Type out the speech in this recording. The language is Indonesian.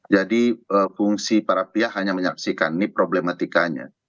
jadi fungsi para pihak hanya menyaksikan ini problematikanya